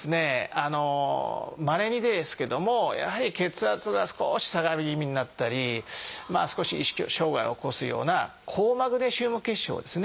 あのまれにですけどもやはり血圧が少し下がり気味になったり少し意識障害を起こすような「高マグネシウム血症」ですね。